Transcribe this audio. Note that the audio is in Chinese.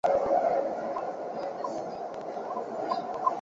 卢尔河畔科尔尼隆。